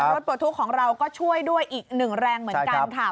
รถปลดทุกข์ของเราก็ช่วยด้วยอีกหนึ่งแรงเหมือนกันค่ะ